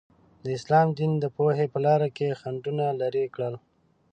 د اسلام دین د پوهې په لاره کې خنډونه لرې کړل.